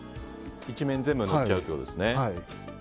一面全部塗っちゃうということですね。